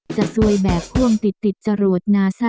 จะซวยแบบควรติด